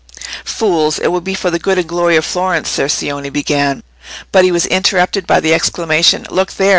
"Fools! It will be for the good and glory of Florence," Ser Cioni began. But he was interrupted by the exclamation, "Look there!"